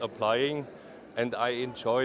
dan saya menikmatinya